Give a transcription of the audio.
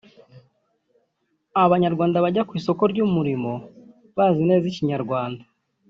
Abanyarwanda bajya ku isoko ry’umurimo bazi neza Ikinyarwanda